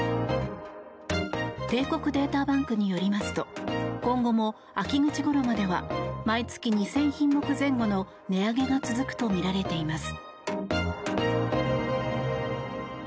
帝国データバンクによりますと今後も秋口ごろまでは毎月、２０００品目前後の値上げが続くとみられています。